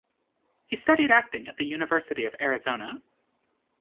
He studied acting at the University of Arizona.